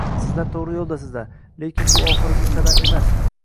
Sizlar to‘g‘ri yo‘ldasizlar, lekin bu oxirgi qadam emas